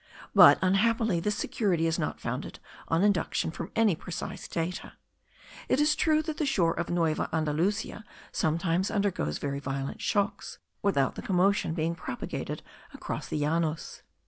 But unhappily this security is not founded on induction from any precise data. It is true that the shore of Nueva Andalusia sometimes undergoes very violent shocks, without the commotion being propagated across the Llanos.